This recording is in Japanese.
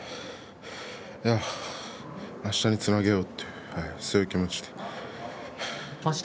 あしたにつなげようとそういう気持ちでした。